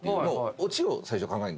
オチを最初考える。